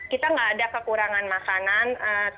kita nggak ada kekurangan makanan